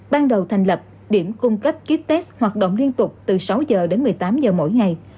ban đầu thành lập điểm cung cấp kites hoạt động liên tục từ sáu giờ đến một mươi tám giờ mỗi ngày